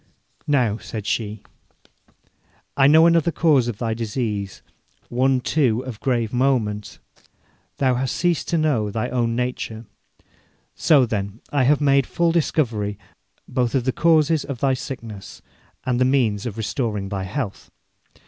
'Now,' said she, 'I know another cause of thy disease, one, too, of grave moment. Thou hast ceased to know thy own nature. So, then, I have made full discovery both of the causes of thy sickness and the means of restoring thy health.